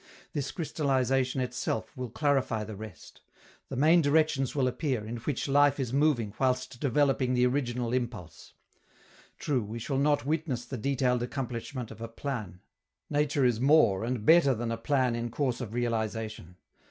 This crystallization itself will clarify the rest; the main directions will appear, in which life is moving whilst developing the original impulse. True, we shall not witness the detailed accomplishment of a plan. Nature is more and better than a plan in course of realization.